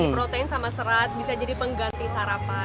protein sama serat bisa jadi pengganti sarapan